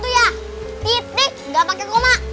tuh dengar titik nggak pakai koma